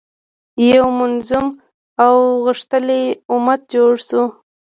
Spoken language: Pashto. یو منظم او غښتلی امت جوړ شو.